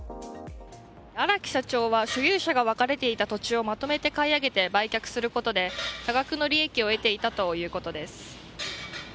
荒木社長は所有者が分かれていた土地をまとめて買い上げて売却することで多額の利益を得ていたということです。